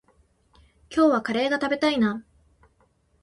今日はカレーが食べたいな。